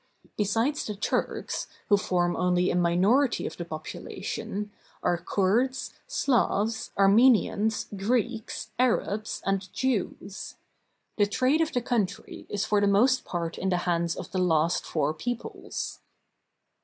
Besides the Turks, who form only a minority of the population, are Kurds, Slavs, Armenians, Greeks, Arabs, and Jews. The trade of the coun try is for the most part in the hands of the last four peoples.